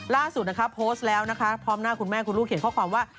ล่าสุดนะคะโพสต์แล้วนะคะพร้อมหน้าคุณแม่คุณลูกเขียนข้อความว่า